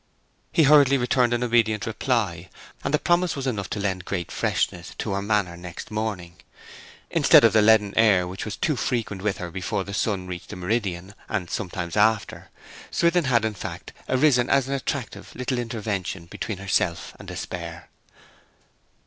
He hurriedly returned an obedient reply, and the promise was enough to lend great freshness to her manner next morning, instead of the leaden air which was too frequent with her before the sun reached the meridian, and sometimes after. Swithin had, in fact, arisen as an attractive little intervention between herself and despair.